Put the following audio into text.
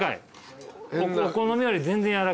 お好みより全然やわらかい。